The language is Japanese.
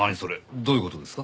どういう事ですか？